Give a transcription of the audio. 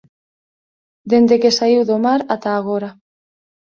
Dende que saíu do mar ata agora.